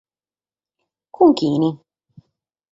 Cun chie?